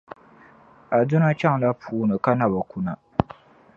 Aduna chaŋla puuni ka na bi kuna.